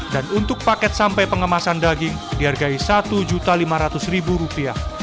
dan untuk paket sampai pengemasan daging dihargai rp satu lima ratus